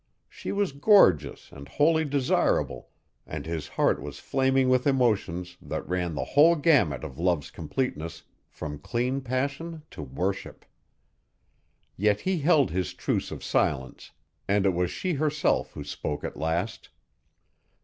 She was gorgeous and wholly desirable and his heart was flaming with emotions that ran the whole gamut of love's completeness from clean passion to worship. Yet he held his truce of silence and it was she herself who spoke at last.